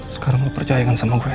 sekarang lo percayakan sama gue